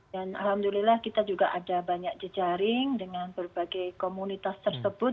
dan alhamdulillah kita juga ada banyak jejaring dengan berbagai komunitas tersebut